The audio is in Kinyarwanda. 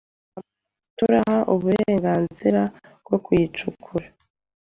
nta muntu turaha uburenganzira bwo kuyicukura,